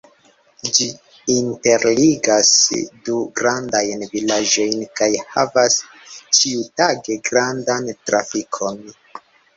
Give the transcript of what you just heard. Ĝi interligas du grandajn vilaĝojn kaj havas ĉiutage grandan trafikon.